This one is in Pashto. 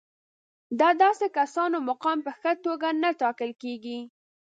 د داسې کسانو مقام په ښه توګه نه ټاکل کېږي.